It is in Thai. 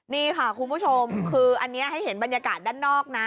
นี่ค่ะคุณผู้ชมคืออันนี้ให้เห็นบรรยากาศด้านนอกนะ